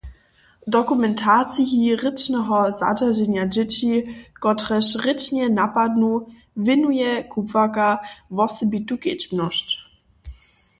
Dokumentaciji rěčneho zadźerženja dźěći, kotrež rěčnje napadnu, wěnuje kubłarka wosebitu kedźbnosć.